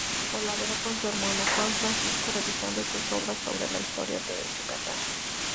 Colaboró con su hermano Juan Francisco revisando sus obras sobre la Historia de Yucatán.